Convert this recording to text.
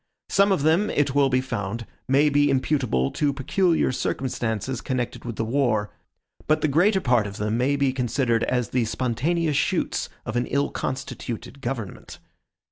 Some of them, it will be found, may be imputable to peculiar circumstances connected with the war; but the greater part of them may be considered as the spontaneous shoots of an ill constituted government.